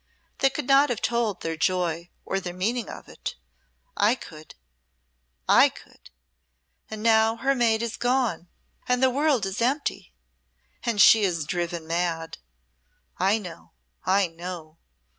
They could not have told their joy or the meaning of it. I could I could! And now her mate is gone and the world is empty, and she is driven mad. I know, I know!